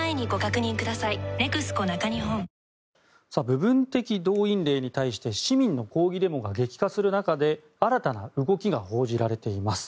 部分的動員令に対して市民の抗議デモが激化する中で新たな動きが報じられています。